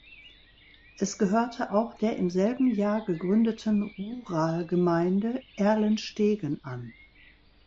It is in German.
Es gehörte auch der im selben Jahr gegründeten Ruralgemeinde Erlenstegen an.